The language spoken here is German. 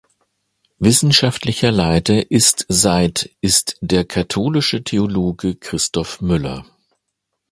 Wissenschaftlicher Leiter ist seit ist der katholische Theologe Christof Müller.